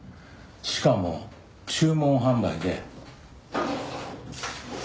しかも注文販売で。